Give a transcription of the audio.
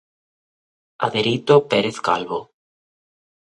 Aderito Pérez Calvo.